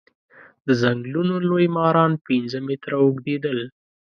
د ځنګلونو لوی ماران پنځه متره اوږديدل.